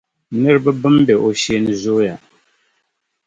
Niriba bɛn be o shee ni zooiya.